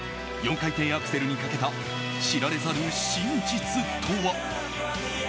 ４回転アクセルにかけた知られざる真実とは。